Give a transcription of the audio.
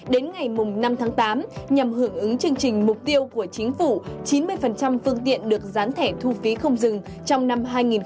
đến ngày năm tháng tám nhằm hưởng ứng chương trình mục tiêu của chính phủ chín mươi phương tiện được gián thẻ thu phí không dừng trong năm hai nghìn hai mươi